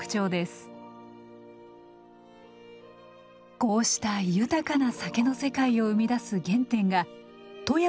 こうした豊かな酒の世界を生み出す原点が富山ならではの水と米です。